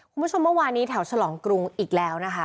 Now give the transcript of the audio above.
คุณผู้ชมเมื่อวานนี้แถวฉลองกรุงอีกแล้วนะคะ